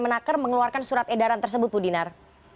menaker mengeluarkan surat edaran tersebut bu dinar